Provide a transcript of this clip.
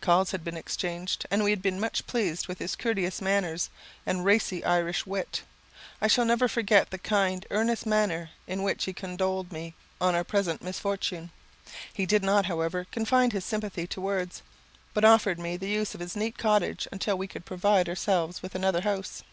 Calls had been exchanged, and we had been much pleased with his courteous manners and racy Irish wit. I shall never forget the kind, earnest manner in which he condoled with me on our present misfortune. He did not, however, confine his sympathy to words, but offered me the use of his neat cottage until we could provide ourselves with another house.